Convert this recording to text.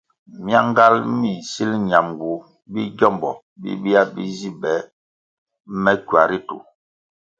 Myangal mi nsil ñamgu bi gyómbo bibia bi zi be me kywa ritu.